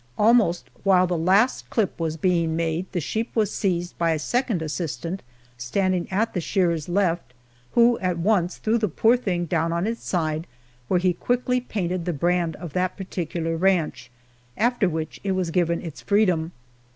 Almost while the last clip was being made the sheep was seized by a second assistant standing at the shearer's left, who at once threw the poor thing down on its side, where he quickly painted the brand of that particular ranch, after which it was given its freedom.